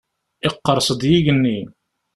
Yeqqers-d yigenni.